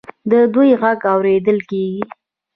د دوی غږ اوریدل کیږي.